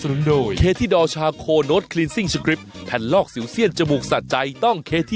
อู๋นี่งงมาก